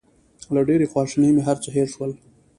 له ډېرې خواشینۍ مې هر څه هېر شول.